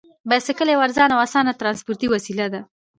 بایسکل یوه ارزانه او اسانه ترانسپورتي وسیله ده.